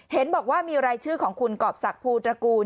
เห็นบอกว่ามีรายชื่อของคุณกรอบศักดิภูตระกูล